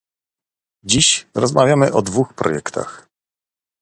Dziś rozmawiamy o dwóch projektach